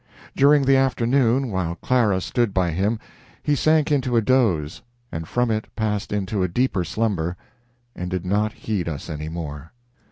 During the afternoon, while Clara stood by him, he sank into a doze, and from it passed into a deeper slumber and did not heed us any more.